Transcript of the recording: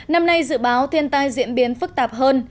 năm nay dự báo thiên tai diễn biến phức tạp hơn